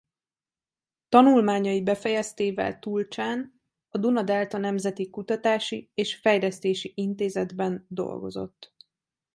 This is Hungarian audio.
Tanulmányai befejeztével Tulceán a Duna-delta Nemzeti Kutatási és Fejlesztési Intézetben dolgozott.